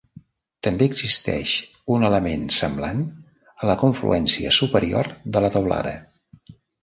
També existeix un element semblant a la confluència superior de la teulada.